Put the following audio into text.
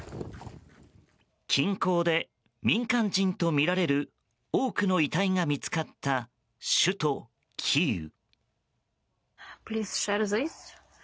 近郊で民間人とみられる多くの遺体が見つかった首都キーウ。